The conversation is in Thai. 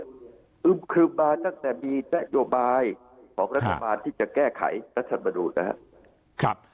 ครึมมาตั้งแต่มีนโยบายของรัฐบาลที่จะแก้ไขรัฐมนุนนะครับ